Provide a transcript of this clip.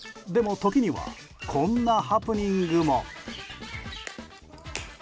でも、時にはこんなハプニングも。